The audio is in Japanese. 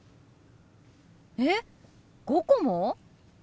えっ５個も？